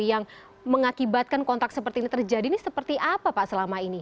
yang mengakibatkan kontak seperti ini terjadi ini seperti apa pak selama ini